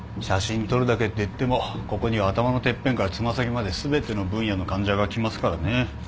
写真撮るだけっていってもここには頭のてっぺんからつま先まで全ての分野の患者が来ますからね。